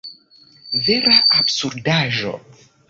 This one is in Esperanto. Vera absurdaĵo!